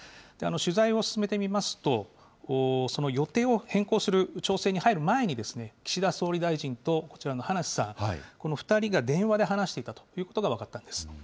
取材を進めてみますと、その予定を変更する調整に入る前に、岸田総理大臣と、こちらの葉梨さん、この２人が電話で話していたということが分かったんです。